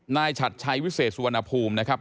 ฉัดชัยวิเศษสุวรรณภูมินะครับ